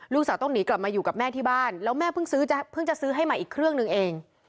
ลูกสาวต้องหนีกลับมาอยู่กับแม่ที่บ้านแล้วแม่เพิ่งซื้อเพิ่งจะซื้อให้ใหม่อีกเครื่องหนึ่งเอง